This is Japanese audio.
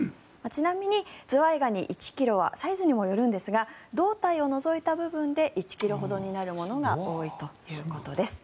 ちなみにズワイガニ１ｋｇはサイズにもよるんですが胴体を除いた部分で１ｋｇほどになるものが多いということです。